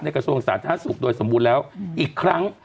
กระทรวงสาธารณสุขโดยสมบูรณ์แล้วอีกครั้ง